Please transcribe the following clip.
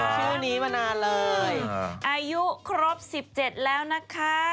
อ่าเหรอชื่อนี้มานานเลยอายุครบสิบเจ็ดแล้วนะคะ